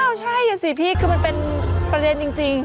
อ้าวใช่อย่าสิพี่คือมันเป็นประเด็นจริง